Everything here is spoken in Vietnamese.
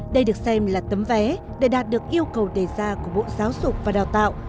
đây được xem là tấm vé để đạt được yêu cầu đề ra của bộ giáo dục và đào tạo